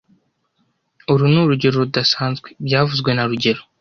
Uru ni urugero rudasanzwe byavuzwe na rugero